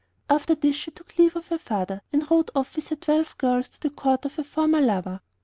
After this she took leave of her father, and rode off with her girls to the court of her former lover.